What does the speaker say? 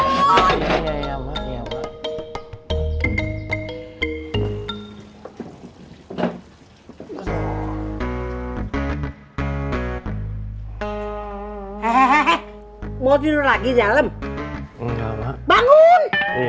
hehehe mau tidur lagi dalam bangun